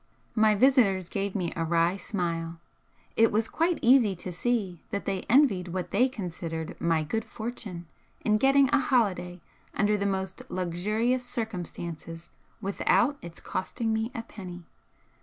My visitors gave me a wry smile. It was quite easy to see that they envied what they considered my good fortune in getting a holiday under the most luxurious circumstances without its costing me a penny.